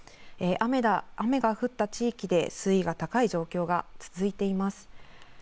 雨が降った地域で水位が高い状況が続いています。